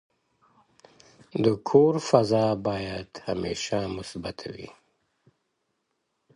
د کور فضا باید همیشه مثبته وي.